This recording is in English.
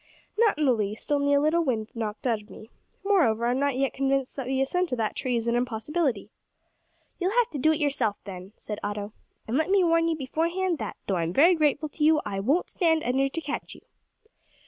"Not in the least only a little wind knocked out of me. Moreover, I'm not yet convinced that the ascent of that tree is an impossibility." "You'll have to do it yourself, then," said Otto; "and let me warn you beforehand that, though I'm very grateful to you, I won't stand under to catch you."